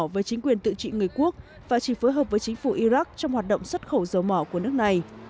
với chính quyền tự trị người quốc và chỉ phối hợp với chính phủ iraq trong hoạt động xuất khẩu dầu mỏ của nước này